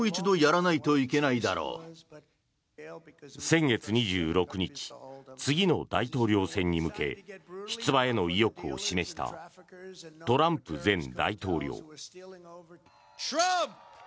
先月２６日次の大統領選に向け出馬への意欲を示したトランプ前大統領。